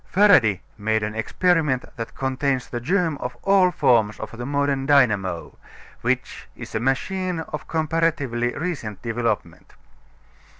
Faraday made an experiment that contains the germ of all forms of the modern dynamo, which is a machine of comparatively recent development.